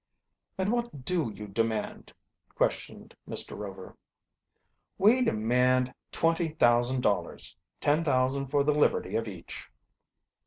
"And what do you demand?" questioned Mr. Rover. "We demand twenty thousand dollars ten thousand for the liberty of each."